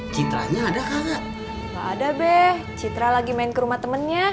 citranya ada kagak ada be citra lagi main ke rumah temennya